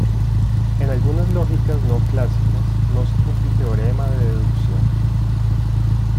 En algunas lógicas no clásicas, no se cumple el teorema de deducción.